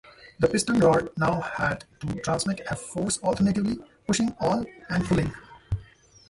The piston rod now had to transmit a force alternately pushing and pulling.